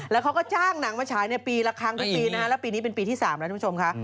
แล้วเขาก็จ้างหนังมาฉายปีละครั้งทุกปีนะฮะแล้วปีนี้เป็นปีที่๓แล้วทุกผู้ชมค่ะ